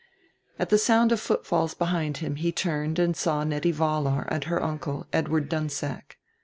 At the sound of footfalls behind him he turned and saw Nettie Vollar and her uncle, Edward Dunsack.